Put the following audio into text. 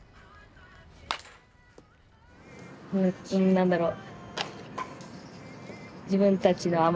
何だろう